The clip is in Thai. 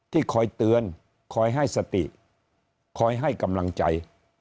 ที่คอยเตือนคอยให้สติคอยให้กำลังใจ